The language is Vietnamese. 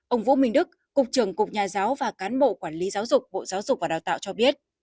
ông vũ minh đức cục trưởng cục nhà giáo và cán bộ quản lý giáo dục bộ giáo dục và đào tạo cho biết